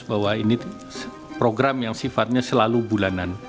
bahwa ini program yang sifatnya selalu bulanan